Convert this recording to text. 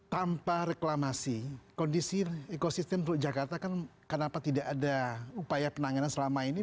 tanpa reklamasi kondisi ekosistem teluk jakarta kan kenapa tidak ada upaya penanganan selama ini